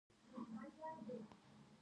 بله دا چې هغه هوټل هر وخت خلاص وي.